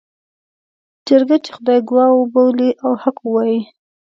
جرګه چې خدای ګواه وبولي او حق ووايي.